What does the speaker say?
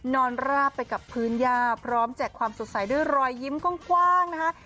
ราบไปกับพื้นย่าพร้อมแจกความสดใสด้วยรอยยิ้มกว้างนะคะ